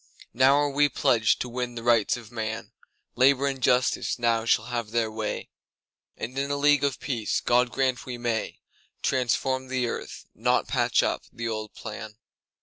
Now are we pledged to win the Rights of man; Labour and Justice now shall have their way, And in a League of Peace—God grant we may—Transform the earth, not patch up the old plan.